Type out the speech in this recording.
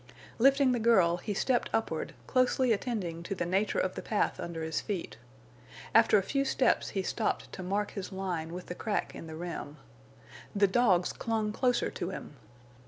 Lifting the girl, he stepped upward, closely attending to the nature of the path under his feet. After a few steps he stopped to mark his line with the crack in the rim. The dogs clung closer to him.